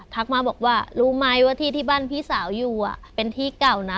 มาบอกว่ารู้ไหมว่าที่ที่บ้านพี่สาวอยู่เป็นที่เก่านะ